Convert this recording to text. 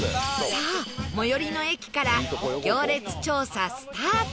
さあ最寄りの駅から行列調査スタートです